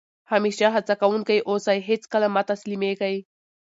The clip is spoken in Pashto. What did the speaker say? همېشه هڅه کوونکی اوسى؛ هېڅ کله مه تسلیمېږئ!